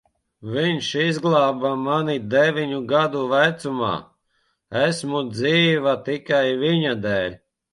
Viņš izglāba mani deviņu gadu vecumā. Esmu dzīva tikai viņa dēļ.